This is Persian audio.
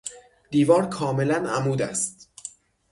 دیوار کاملا عمود است.